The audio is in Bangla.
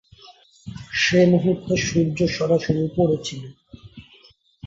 সে মুহূর্তে সূর্য সরাসরি উপরে ছিল।